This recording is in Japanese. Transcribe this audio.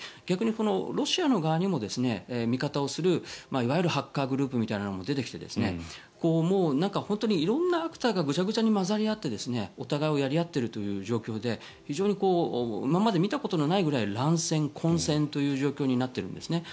逆にロシアの側にも味方をするいわゆるハッカーグループみたいなのも出てきて本当に色んなアクターがぐちゃぐちゃに混ざり合ってお互いやり合っているという状況で今まで見たことがないくらい乱戦、混戦という状況になっているんです。